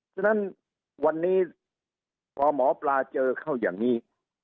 ฉะนั้นวันนี้พอหมอปลาเจอเข้าอย่างนี้